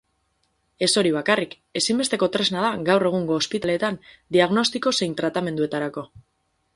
Ez hori bakarrik, ezinbesteko tresna da gaur egungo ospitaleetan diagnostiko zein tratamenduetarako.